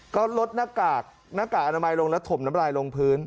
ก็ลดหน้ากากหน้ากากอนามัยลงแล้วถมน้ำลายลงพื้น